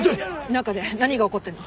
中で何が起こってるの？